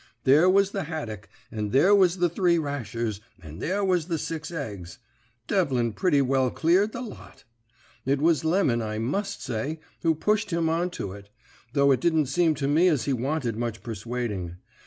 There was the haddick, and there was the three rashers, and there was the six eggs. Devlin pretty well cleared the lot. It was Lemon, I must say, who pushed him on to it, though it didn't seem to me as he wanted much persuading.